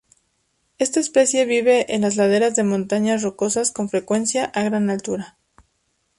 Esta especie vive en las laderas de montañas rocosas, con frecuencia a gran altura.